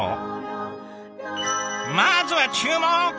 まずは注目！